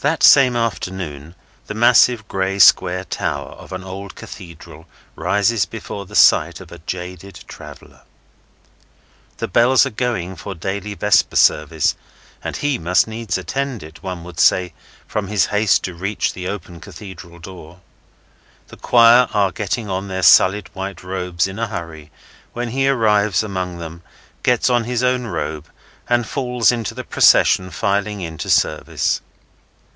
That same afternoon, the massive gray square tower of an old Cathedral rises before the sight of a jaded traveller. The bells are going for daily vesper service, and he must needs attend it, one would say, from his haste to reach the open Cathedral door. The choir are getting on their sullied white robes, in a hurry, when he arrives among them, gets on his own robe, and falls into the procession filing in to service.